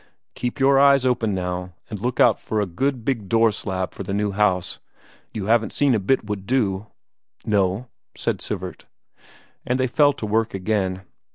Keep your eyes open now and look out for a good big door slab for the new house. You haven't seen a bit would do?" "No," said Sivert. And they fell to work again.